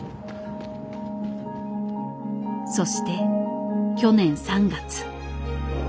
そして去年３月。